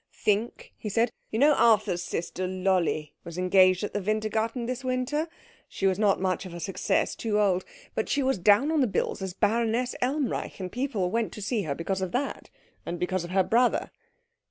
"Think?" he said. "You know Arthur's sister Lolli was engaged at the Wintergarten this winter. She was not much of a success. Too old. But she was down on the bills as Baroness Elmreich, and people went to see her because of that, and because of her brother."